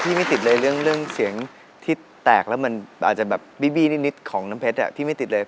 ไม่ติดเลยเรื่องเสียงที่แตกแล้วมันอาจจะแบบบี้นิดของน้ำเพชรที่ไม่ติดเลย